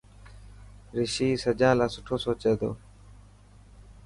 رشي سجان لاءِ سٺو سوچي ٿو.